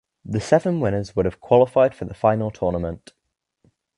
The seven winners would have qualified for the final tournament.